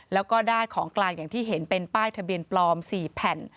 แล้วก็ได้ของกลางอย่างที่เห็นเป็นป้ายทะเบียนปลอม๔แผ่น